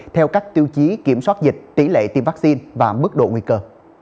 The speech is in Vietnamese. theo các tiêu chí kiểm soát dịch tỷ lệ tiêm vaccine và mức độ nguy cơ